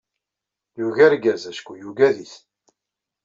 Yugi argaz, acku yuggad-it!